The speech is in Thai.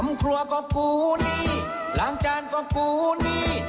ครอบครัวก็กูนี่ล้างจานก็กูนี่